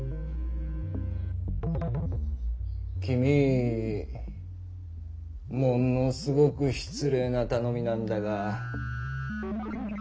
君ものすごく失礼な頼みなんだが。